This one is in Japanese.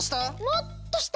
もっとした！